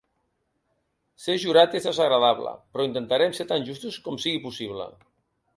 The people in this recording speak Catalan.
Ser jurat és desagradable, però intentarem ser tan justos com sigui possible.